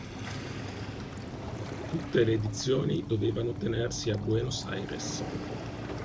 Tutte le edizioni dovevano tenersi a Buenos Aires.